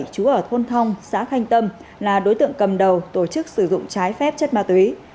chú ở thôn thong xã khanh tâm là đối tượng cầm đầu tổ chức sử dụng trái phép chất ma túy